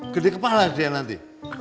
gede kepala dia nanti